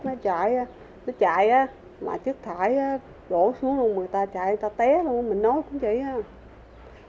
nó chạy nó chạy á mà chất thải đổ xuống luôn người ta chạy người ta té luôn mình nói cũng vậy không